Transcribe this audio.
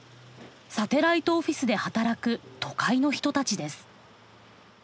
サテライトオフィスで働く都会の人たちです。